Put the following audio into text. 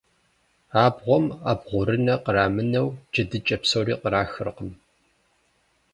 Абгъуэм абгъурынэ кърамынэу, джэдыкӏэ псори кърахыркъым.